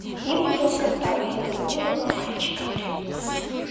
Ему жалко стало этого милого мальчика.